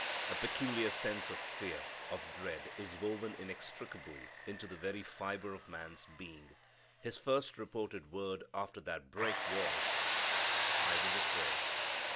A peculiar sense of fear, of dread, is woven inextricably into the very fibre of man's being. His first reported word after that break was, "I was afraid."